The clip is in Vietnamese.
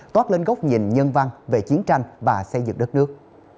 toát lên góc nhìn nhân văn về chiến tranh và xây dựng đất nước